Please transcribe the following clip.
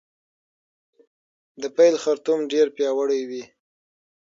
د پیل خرطوم ډیر پیاوړی وي